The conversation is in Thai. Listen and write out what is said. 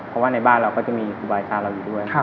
เพราะว่าในบ้านเราก็จะมีครูบาอาจารย์เราอยู่ด้วย